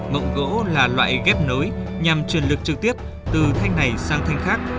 mộng gỗ là loại ghép nối nhằm truyền lực trực tiếp từ thanh này sang thanh khác